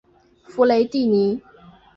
弗雷蒂尼。